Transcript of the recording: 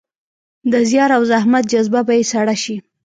د زیار او زحمت جذبه به يې سړه شي.